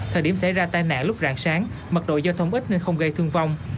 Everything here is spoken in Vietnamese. thời điểm xảy ra tai nạn lúc rạng sáng mật độ giao thông ít nên không gây thương vong